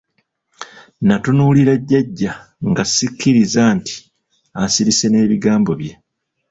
Natunuulira jjajja nga sikikkiriza nti asirise n'ebigambo bye.